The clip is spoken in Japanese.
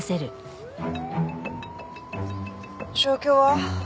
状況は？